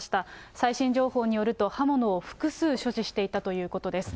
最新情報によると、刃物を複数所持していたということです。